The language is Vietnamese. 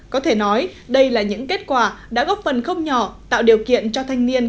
có thể nói đây là những kết quả đã góp phần không nhỏ tạo điều kiện cho thanh niên